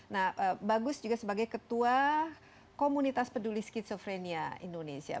nah bagus juga sebagai ketua komunitas peduli skizofrenia indonesia